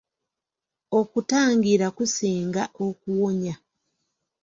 Okutangira kusinga okuwonya.